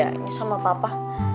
gak ada bedanya sama papa